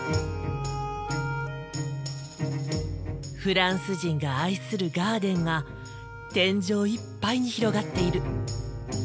フランス人が愛するガーデンが天井いっぱいに広がっている。